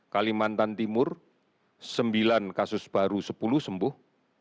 kalimantan timur sembilan kasus baru sepuluh sembuh